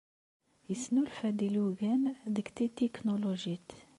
Yesnulfa-d ilugan deg tetiknulujit.